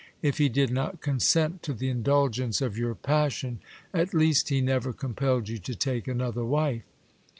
If he did not consent to the indulgence of your passion, at least he never compelled you to take another wife.